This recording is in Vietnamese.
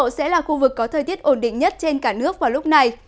sẽ là khu vực có thời tiết ổn định nhất trên cả nước vào lúc này